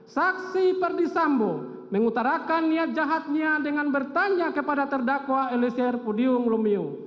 saksi perdisambo mengutarakan niat jahatnya dengan bertanya kepada terdakwa elisir pudium lumiu